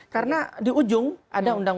karena di ujung ada undang undangnya